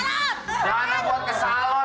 mana buat ke salon